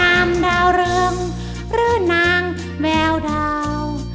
นามดาวเรืองหรือนางแววดาว